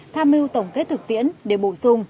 tham mưu tổng kết thực tiễn để bổ sung